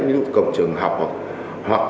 ví dụ cổng trường học